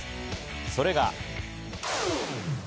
それが。